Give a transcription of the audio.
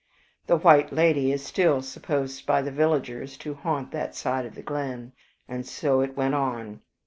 The 'white lady' is still supposed by the villagers to haunt that side of the glen. And so it went on.